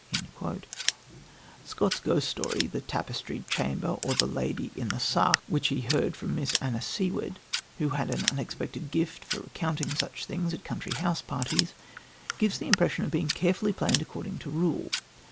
" Scott's ghost story, The Tapestried Chamber, or the Lady in the Sacque which he heard from Miss Anna Seward, who had an unexpected gift for recounting such things at country house parties, gives the impression of being carefully planned according to rule.